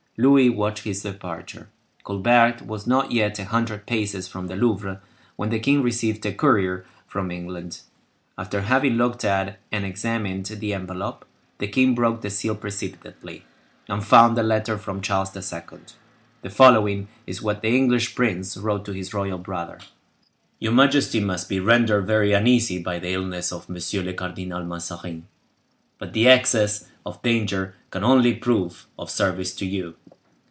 Louis watched his departure. Colbert was not yet a hundred paces from the Louvre when the king received a courier from England. After having looked at and examined the envelope, the king broke the seal precipitately, and found a letter from Charles II. The following is what the English prince wrote to his royal brother:— "Your majesty must be rendered very uneasy by the illness of M. le Cardinal Mazarin; but the excess of danger can only prove of service to you.